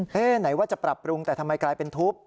ไหนว่าจะปรับปรุงแต่ทำไมกลายเป็นทุบ